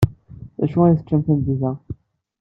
D acu ay teččam tameddit-a?